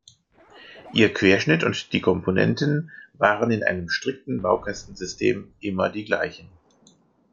Ihr Querschnitt und die Komponenten waren in einem strikten Baukastensystem immer die gleichen.